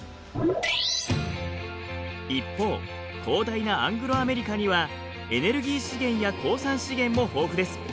一方広大なアングロアメリカにはエネルギー資源や鉱産資源も豊富です。